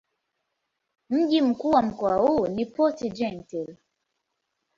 Mji mkuu wa mkoa huu ni Port-Gentil.